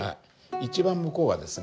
一番向こうはですね